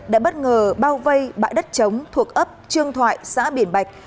đã bất ngờ bao vây bãi đất chống thuộc ấp trương thoại xã biển bạch